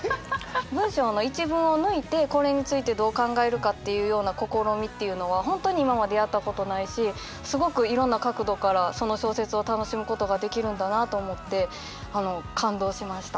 文章の一文を抜いてこれについてどう考えるかっていうような試みっていうのは本当に今までやったことないしすごくいろんな角度からその小説を楽しむことができるんだなあと思って感動しました。